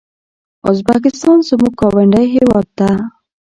ازبکستان زموږ ګاونډی هيواد ده